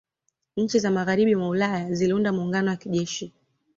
Nchi za Magharibi mwa Ulaya ziliunda muungano wa kijeshi